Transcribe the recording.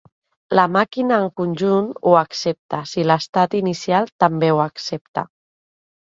La màquina en conjunt ho accepta si l'estat inicial també ho accepta.